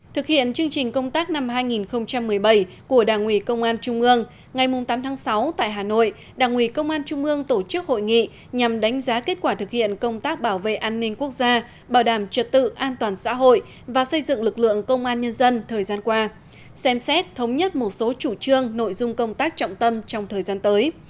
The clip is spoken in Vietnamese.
thực hiện chương trình công tác năm hai nghìn một mươi bảy của đảng ủy công an trung ương ngày tám tháng sáu tại hà nội đảng ủy công an trung ương tổ chức hội nghị nhằm đánh giá kết quả thực hiện công tác bảo vệ an ninh quốc gia bảo đảm trật tự an toàn xã hội và xây dựng lực lượng công an nhân dân thời gian qua xem xét thống nhất một số chủ trương nội dung công tác trọng tâm trong thời gian tới